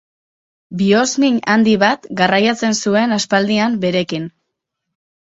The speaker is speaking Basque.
Bihozmin handi bat garraiatzen zuen aspaldian berekin.